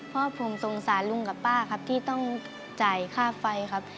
เพราะผมสงสารลุงกับป้าครับที่ต้องจ่ายค่าไฟครับ